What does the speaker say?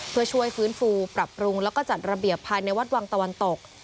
เพื่อช่วยฟื้นฟูปรับปรุงแล้วก็จัดระเบียบภายในวัดวังตะวันตก